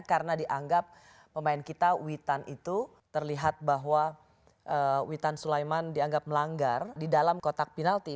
karena dianggap pemain kita witan itu terlihat bahwa witan sulaiman dianggap melanggar di dalam kotak penalti